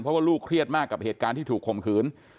เพราะว่าลูกเครียดมากกับเหตุการณ์ที่ถูกข่มขืน